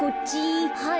はい。